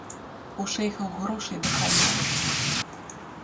У шэйхаў грошай да халеры.